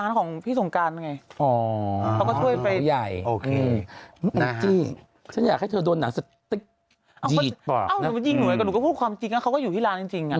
จริงหนูก็หนูก็พูดความจริงนะเขาก็อยู่ที่ร้านจริง